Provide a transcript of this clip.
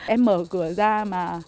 em mở cửa ra mà